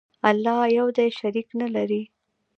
الله یو دی، شریک نه لري.